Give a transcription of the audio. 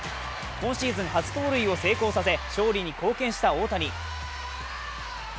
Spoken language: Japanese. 今シーズン初盗塁を成功させ勝利に貢献した大谷。